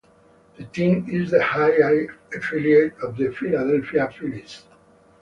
The team is the High-A affiliate of the Philadelphia Phillies.